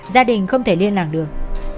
gia đình không thể liên lạc được